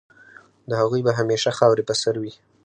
د هغوی به همېشه خاوري په سر وي